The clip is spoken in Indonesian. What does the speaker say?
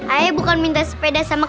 aya bukan minta sepeda sama mbak be